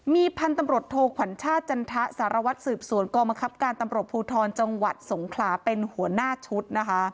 มีพันธุรกิจโทขวัญชาติจันทะศสืบสวนกรมคับการตำรวจภูทรจังหวัดสงขลาเป็นหัวหน้าชุด